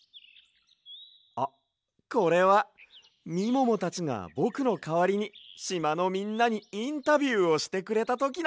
あっこれはみももたちがぼくのかわりにしまのみんなにインタビューをしてくれたときの！